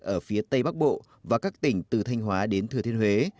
ở phía tây bắc bộ và các tỉnh từ thanh hóa đến thừa thiên huế